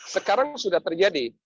sekarang sudah terjadi